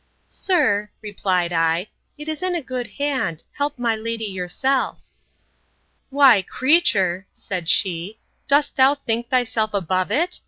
Sir, replied I, it is in a good hand; help my lady yourself.—Why, creature, said she, dost thou think thyself above it?